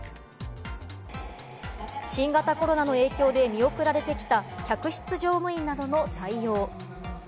新型コロナの影響で見送られてきた客室乗務員などの採用。